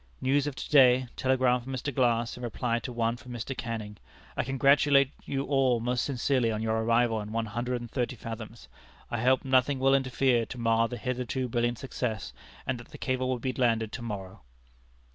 News of to day, telegram from Mr. Glass in reply to one from Mr. Canning: I congratulate you all most sincerely on your arrival in one hundred and thirty fathoms. I hope nothing will interfere to mar the hitherto brilliant success, and that the cable will be landed to morrow.'"